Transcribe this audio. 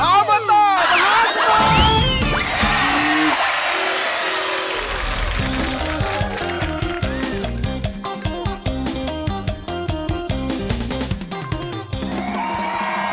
ออเบอร์ต้อมหาสมอง